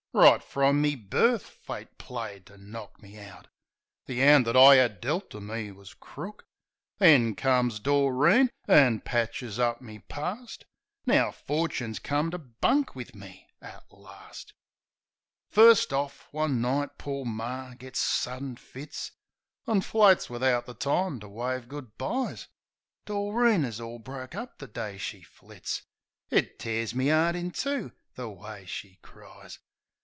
Right f rum me birf Fate played to knock me out ; The 'and that I 'ad dealt to me was crook! Then comes Doreen, an' patches up me parst; Now Forchin's come to bunk wiv me at larst. First orf, one night poor Mar gits suddin fits, An' floats wivout the time to wave "good byes." Doreen is orl broke up the day she flits; It tears me 'eart in two the way she cries.